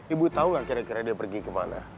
ibu tau gak kira kira dia pergi kemana